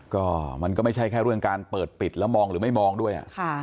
ก็มันก็ไม่ใช่แค่เรื่องการเปิดปิดแล้วมองหรือไม่มองด้วย